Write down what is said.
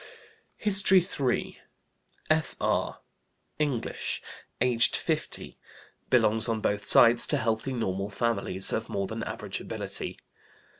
HISTORY III. F.R., English, aged 50, Belongs on both sides to healthy, normal families, of more than average ability.